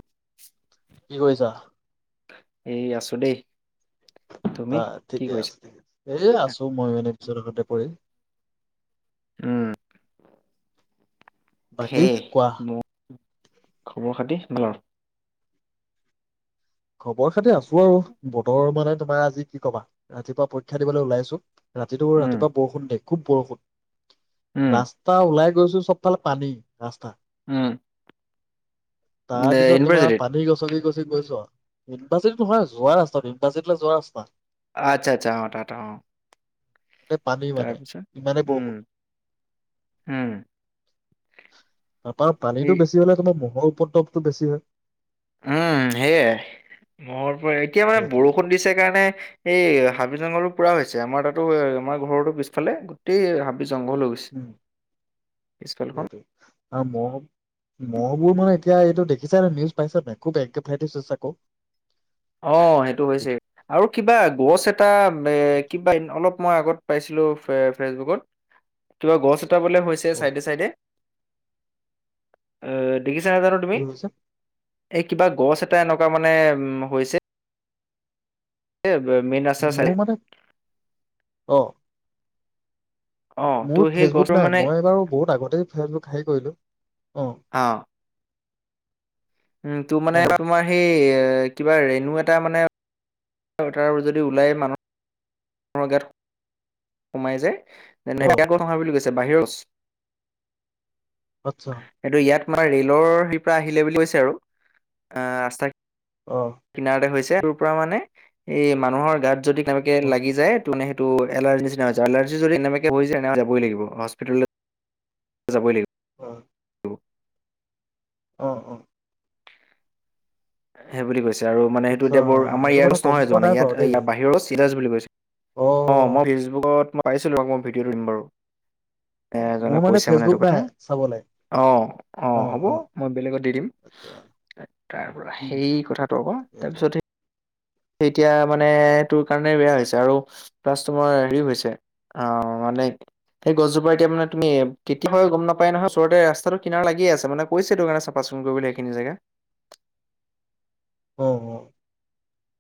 [inaudible] কি কৰিছা? এ আছোঁ দেই। ত' তুমি কি ঠিকে কৰিছা? আছে, ঠিকে আছে এ আছোঁ ময়ো এনে বিচনাটোতে পৰি। উম, বাকী সেই কোৱা মই খবৰ খাতি ভাল? খবৰ খাতি আছোঁ আৰু বতৰ মানে তোমাৰ আজি কি কবা ৰাতিপুৱা পৰীক্ষা দিবলৈ উলাইছোঁ ৰাতিটো উম ৰাতিপুৱা বৰষুণ দে খুব বৰষুণ উম ৰাস্তা ওলাই গৈছোঁ চবফালে পানী ৰাস্তা উম, তাৰ নে পিছত তোমাৰ ইউনিভাৰ্চিটিত পানী গছকি গছকি গৈছ' এনবাচী নহয় যোৱা ৰাস্তাত ইনবাচীলৈ যোৱা ৰাস্তা আচ্ছা আচ্ছা অঁ তাত অঁ। গোটেই পানী মানে ইমানেই উম বৰষুণ। উম তাৰপৰা এই পানীটো বেছি হলে তোমাৰ মহৰ উপদ্ৰৱতটো বেছি হয়। উম সেয়াই, মহৰ পৰা এতিয়া মানে সেইটোৱে বৰষুণ দিছে কাৰণে এই হাবি জংঘলো পুৰা হৈছে আমাৰ তাতো আমাৰ ঘৰৰতো পিছফালে গোটেই হাবি জংঘল হৈ গৈছে। উম পিছফালখন সেইটোৱে আৰু মহও মহ বোৰ মানে এতিয়া এইটো দেখিছা নে নিউজ পাইছা নাই খুব এনকেফ্লাইতিজ হৈছে আকৌ। অঁ সেইটো হৈছে, আৰু কিবা গছ এটা এ কিবা অলপ মই আগত পাইছিলো ফেচবুকত কিবা গছ এটা বোলে হৈছে অ চাইডে চাইডে। আহ দেখিছা নাই জনো তুমি? কি হৈছে এই কিবা গছ এটা এনেকুৱা মানে হৈছে। এ এ মেইন ৰাস্তাৰ চাইডে মোৰ মানে অ অ', ত' মোৰ সেই ফেচবুক গছৰ নাই, মানে মই বাৰু বহুত আগতে ফেচবুক হেৰি কৰিলোঁ অঁ। অ', উম তোৰ মানে তোমাৰ সেই কিবা ৰেণু এটা মানে তাৰ যদি ওলাই মানুহ মানুহৰ গাত সোমাই যায়, অ তেনেকে আকৌ নহয় বুলি কৈছে বাহিৰত আচ্ছা। সেইটো ইয়াত আমাৰ ৰেলৰ সেই পৰা আহিলে বুলি কৈছে আৰু অ ৰাস্তা অ। কিনাৰতে হৈছে তোৰ পৰা মানে এই মানুহৰ গাত যদি কেনেবাকৈ অ লাগি যায় সেইটো এলাৰ্জি নিচিনা হৈ যায়, এলাৰ্জি যদি কেনেবাকৈ হৈ যায় তেনেহলে যাবই লাগিব হস্পিতালে যাবই লাগিব। উম। [inaudible] অ অ। সেই বুলি কৈ, আৰু মানে সেইটো আচ্ছা এতিয়া বোৰ আমাৰ এইটো ইয়াৰ কথা গছ গম নহয় পোৱা এইজোপা, নাই বাৰু দেই ইয়াৰ বাহিৰৰ গছ বুলি কৈছে। অ অঁ মই ফেচবুকত মই পাইছিলো বাৰু, মই তোমাক ভিডিঅ'টো দিম বাৰু। অ এ মোৰ এজনে কৈছে মানে ফেচবুক এইটো কথা। নাই চাবলে অ অ হ'ব মই বেলেগত দি দিম। আচ্ছা তাৰ উম সেই কথাটো আক' সেইটোৱে তাৰপিছত সেই এতিয়া মানে তোৰ কাৰণে বেয়া হৈছে, আৰু প্লাছ তোমাৰ হেৰি হৈছে। অ মানে সেই গছজোপা এতিয়া মানে তুমি কেতিয়াও গম নাপাই নহয় ওচৰতে ৰাস্তাটো কিনাৰত লাগিয়ে আছে মানে কৈছেটো কাৰণে [unintelligible] কৰিবলে সেইখিনি জেগা। অ অ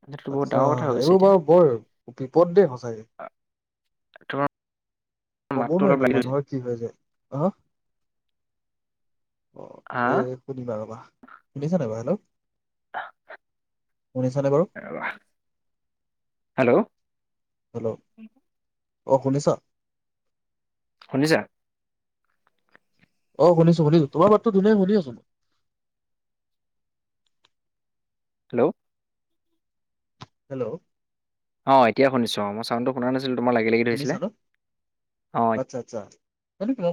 এইটো বহুত আচ্ছা। ডাঙৰ কথা হৈ গৈছে এইবোৰ এতিয়া বাৰু বৰ বিপদ দেই সঁচাকে। তোমাৰ কব মাতটো অলপ নোৱাৰিটো লাগি ধৰিছে মানুহৰ কি হৈ যায়। অ অ হা এ শুনিবা ৰ'বা শুনিছানে বাৰু হেল্ল' শুনিছানে বাৰু? ৰবা, হেল্ল'! হেল্ল' অঁ শুনিছ? শুনিছা? অ শুনিছো শুনিছো তোমাৰা মাতটো ধুনীয়াকৈ শুনি আছো। হেল্ল'! হেল্লৌ অঁ এতিয়া শুনিছোঁ মই চাউণ্ডটো শুনা নাছিলোঁ তোমাৰ লাগি লাগি শুনিছা ধৰিছিলে ন অঁ আচ্ছা, আচ্ছা, এন দি ক্লক